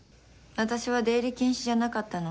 私は出入り禁止じゃなかったの？